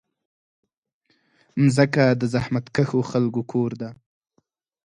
مځکه د زحمتکښو خلکو کور ده.